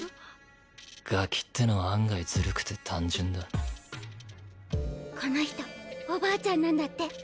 ガキってのは案外狡くて単純だこの人おばあちゃんなんだって。